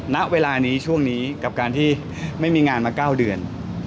ณเวลานี้ช่วงนี้กับการที่ไม่มีงานมา๙เดือน